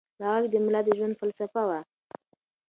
دا غږ د ملا د ژوند فلسفه وه.